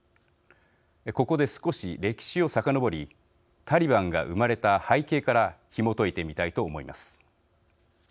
ここで少し歴史をさかのぼりタリバンが生まれた背景からひも解いてみたいと思います。